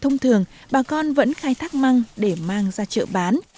thông thường bà con vẫn khai thác măng để mang ra chợ bán